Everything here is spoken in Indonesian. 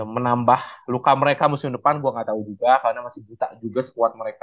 menambah luka mereka musim depan gue gak tau juga karena masih buta juga sekuat mereka